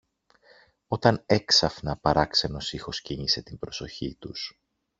όταν έξαφνα παράξενος ήχος κίνησε την προσοχή τους.